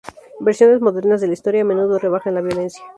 Versiones modernas de la historia a menudo rebajan la violencia.